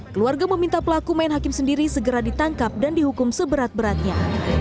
keluarga meminta pelaku main hakim sendiri segera ditangkap dan dihukum seberat beratnya